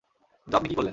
কিন্তু আপনি কী করলেন!